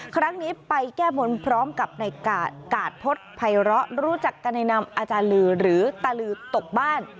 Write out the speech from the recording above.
ครั้งนี้ไปแก้บนพร้อมกับในกาดพฤษภัยร้อรู้จักกันในนามอาจารย์ลือหรือตาลือตกบ้าน